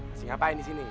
masih ngapain disini